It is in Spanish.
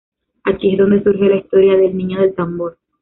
Aquí es donde surge la historia del "Niño del Tambor".